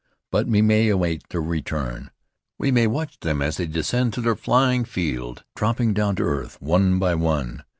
But we may await their return. We may watch them as they descend to their flying field, dropping down to earth, one by one.